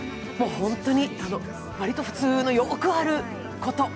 本当に割と普通のよくあること。